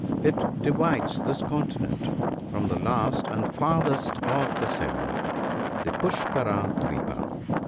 It divides this continent from the last and farthest of the seven, the Pushkard dwipa.